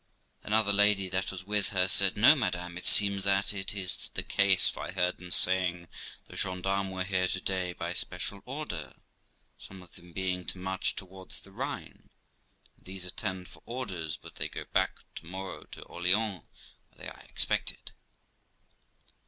Another lady that was with her said, 'No, madam, it seems that is not the case, for I heard them saying the gens d'armes were here to day by special order, some of them being to march towards the Rhine, and these attend for orders; but they go back to morrow to Orleans, where they are expected.'